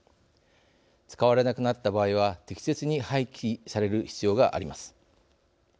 使われなくなった場合は適切に廃棄される必要があります。